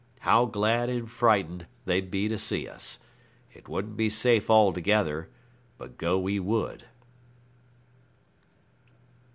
How glad and frightened they'd be to see us. It wouldn't be safe altogether, but go we would.